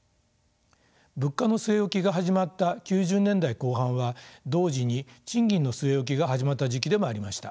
物価の据え置きが始まった９０年代後半は同時に賃金の据え置きが始まった時期でもありました。